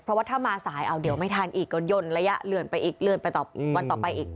เพราะว่าถ้ามาสายเอาเดี๋ยวไม่ทันอีกก็ย่นระยะเลื่อนไปอีกเลื่อนไปต่อวันต่อไปอีก